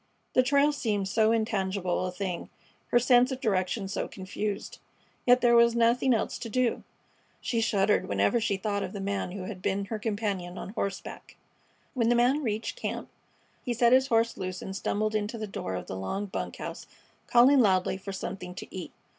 The trail seemed so intangible a thing, her sense of direction so confused. Yet there was nothing else to do. She shuddered whenever she thought of the man who had been her companion on horseback. When the man reached camp he set his horse loose and stumbled into the door of the log bunk house, calling loudly for something to eat.